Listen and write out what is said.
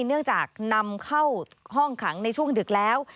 เนื่องจากนำเข้าห้องขังในช่วงดึกแล้ว